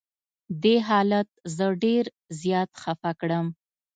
دې حالت زه ډېر زیات خفه کړم.